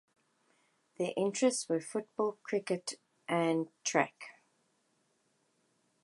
Their interests were football, cricket and track.